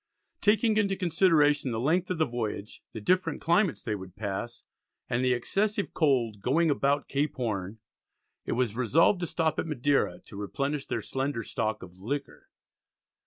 Taking into consideration the length of the voyage, the different climates they would pass, and the excessive cold "going about Cape Horne," it was resolved to stop at Madeira to replenish their slender stock of "liquor."